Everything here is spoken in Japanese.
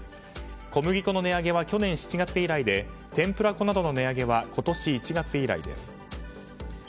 小麦粉の値上げは去年７月以来でてんぷら粉などの値上げは今年１月以来です。